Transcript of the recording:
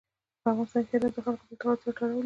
په افغانستان کې هرات د خلکو د اعتقاداتو سره تړاو لري.